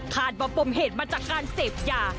ว่าปมเหตุมาจากการเสพยา